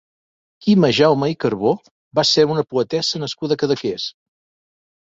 Quima Jaume i Carbo va ser una poetessa nascuda a Cadaqués.